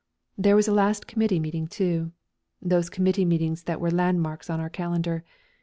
There was a last committee meeting too; those committee meetings that were landmarks on our calendar.